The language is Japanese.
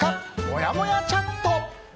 もやもやチャット。